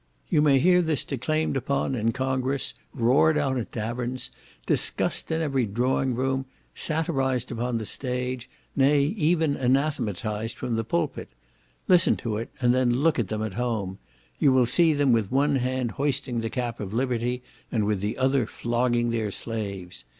You may hear this declaimed upon in Congress, roared out in taverns, discussed in every drawing room, satirized upon the stage, nay, even anathematized from the pulpit: listen to it, and then look at them at home; you will see them with one hand hoisting the cap of liberty, and with the other flogging their slaves.